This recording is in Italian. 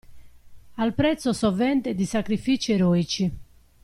Al prezzo, sovente, di sacrifici eroici.